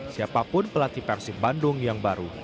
siapapun pelatih persib bandung yang baru